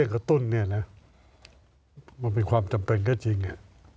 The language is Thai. กระตุ้นเนี่ยนะมันเป็นความจำเป็นก็จริง